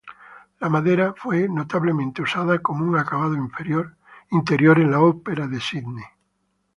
La madera fue notablemente usada como un acabado interior en la Ópera de Sídney.